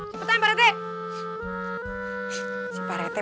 cepetan pak rete